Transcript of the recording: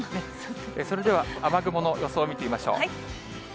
それでは、雨雲の予想を見てみましょう。